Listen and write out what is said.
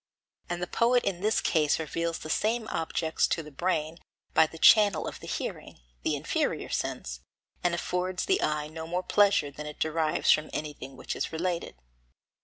And the poet in this case reveals the same objects to the brain by the channel of the hearing, the inferior sense, and affords the eye no more pleasure than it derives from anything which is related.